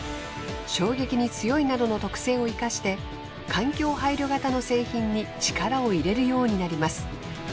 衝撃に強いなどの特性を生かして環境配慮型の製品に力を入れるようになります。